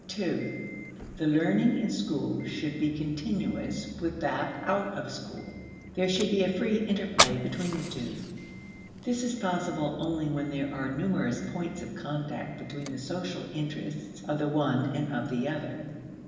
(ii) The learning in school should be continuous with that out of school. There should be a free interplay between the two. This is possible only when there are numerous points of contact between the social interests of the one and of the other.